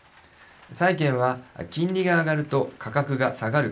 債券は金利が上がると価格が下がる関係にあります。